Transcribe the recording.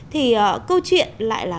thì câu chuyện lại là